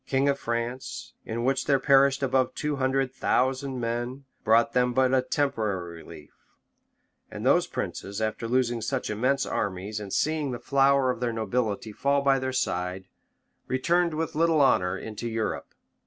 king of France, in which there perished above two hundred thousand men, brought them but a temporary relief; and those princes, after losing such immense armies, and seeing the flower of their nobility fall by their side, returned with little honor into Europe.